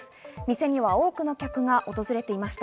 店には多くの客が訪れていました。